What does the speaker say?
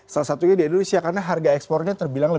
salah satunya di indonesia karena harga ekspornya terbilang